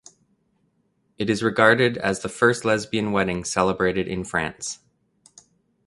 It is regarded as the first lesbian wedding celebrated in France.